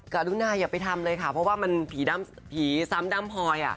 รุณาอย่าไปทำเลยค่ะเพราะว่ามันผีซ้ำด้ำพลอย